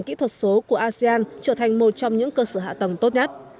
kỹ thuật số của asean trở thành một trong những cơ sở hạ tầng tốt nhất